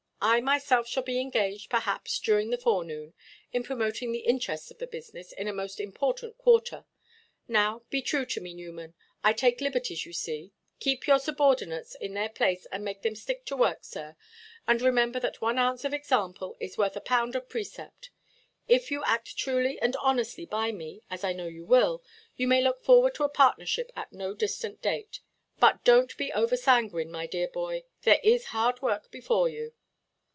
I myself shall be engaged, perhaps, during the forenoon, in promoting the interests of the business in a most important quarter. Now, be true to me, Newman—I take liberties, you see—keep your subordinates in their place, and make them stick to work, sir. And remember that one ounce of example is worth a pound of precept. If you act truly and honestly by me, as I know you will, you may look forward to a partnership at no distant date. But donʼt be over–sanguine, my dear boy; there is hard work before you."